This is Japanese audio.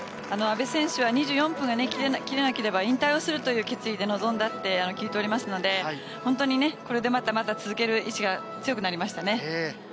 阿部選手は２４分が切れなければ引退をするという決意で臨んだと聞いておりますので本当にこれでまた、まだ続ける意思が強くなりましたね。